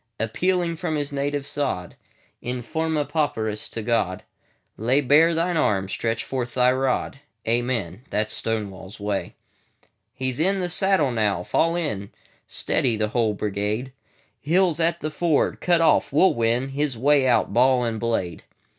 Appealing from his native sod, In forma pauperis to God,"Lay bare Thine arm! Stretch forth Thy rod! Amen!"—That 's Stonewall's Way.He 's in the saddle now. Fall in! Steady! the whole brigade. Hill 's at the ford, cut off; we 'll winHis way out, ball and blade.